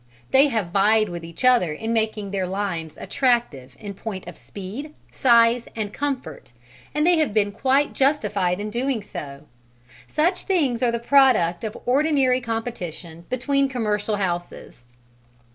They have vied with each other in making their lines attractive in point of speed, size and comfort, and they have been quite justified in doing so: such things are the product of ordinary competition between commercial houses.